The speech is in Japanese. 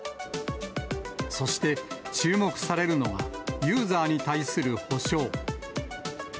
そして、注目されるのが、ユーザーに対する補償。